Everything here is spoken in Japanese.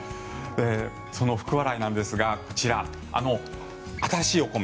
その福、笑いなんですがこちら、新しいお米